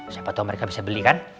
siapa tahu mereka bisa beli kan